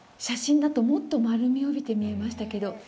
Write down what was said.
写真だと、もっと丸み帯びて見えましたけど。